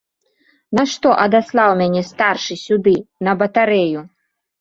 Нашто адаслаў мяне старшы сюды на батарэю?